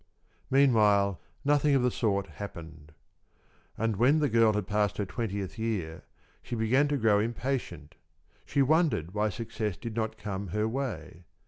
Meanwhile nothing of the sort happened. And when the girl had passed her twentieth year, she began to grow impatient. She wondered why success did not come her way.